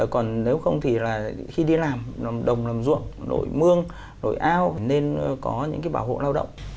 còn nếu không thì là khi đi làm đồng làm ruộng nội mương nội ao nên có những cái bảo hộ lao động